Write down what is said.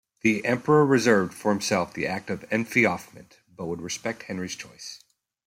The emperor reserved for himself the act of enfeoffment but would respect Henry's choice.